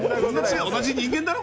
同じ人間だろ？